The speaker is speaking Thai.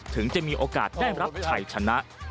ถึงจะมีโอกาสได้รับชัยชนะ